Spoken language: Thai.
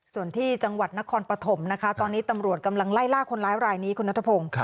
ส่วนที่จังหวัดนครปฐมนะคะตอนนี้ตำรวจกำลังไล่ล่าคนร้ายรายนี้คุณนัทพงศ์